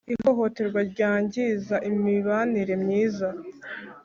Ihohoterwa ryangiza imibanire myiza